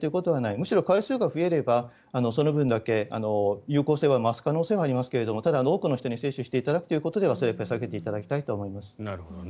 むしろ回数が増えればその分だけ有効性は増す可能性はありますがただ、多くの人に接種していただくということであればそれは避けていただきたいと思います。